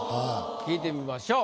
聞いてみましょう。